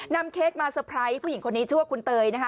นำเค้กมาสเปรย์ผู้หญิงคนนี้ชื่อว่าคุณเตยนะฮะ